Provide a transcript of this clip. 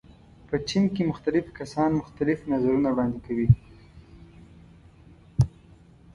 په ټیم کې مختلف کسان مختلف نظرونه وړاندې کوي.